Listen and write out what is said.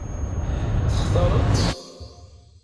Textaṛeḍ-tt?